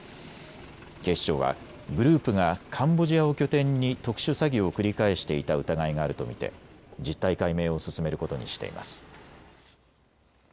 警視庁はグループがカンボジアを拠点に特殊詐欺を繰り返していた疑いがあると見て実態解明を進めることにしています。